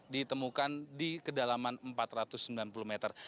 ditemukan di kedalaman empat ratus sembilan puluh meter